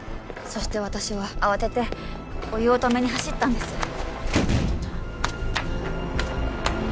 そして私は慌ててお湯を止めに走ったんです